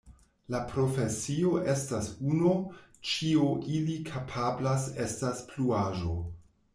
La profesio estas uno, ĉio ili kapablas estas pluaĵo.